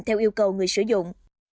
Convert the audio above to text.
theo yêu cầu người sử dụng